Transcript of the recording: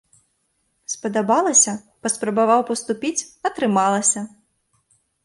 Спадабалася, паспрабаваў паступіць, атрымалася!